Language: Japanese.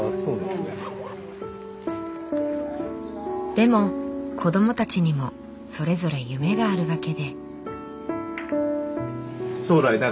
でも子どもたちにもそれぞれ夢があるわけで。